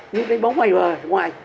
nhưng đánh bóng ở ngoài